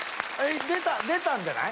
出た出たんじゃない？